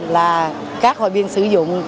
là các hội viên sử dụng